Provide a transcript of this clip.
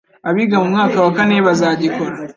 abiga mu mwaka wa kane bazagikora